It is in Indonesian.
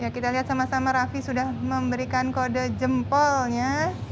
kita lihat sama sama raffi sudah memberikan kode jempolnya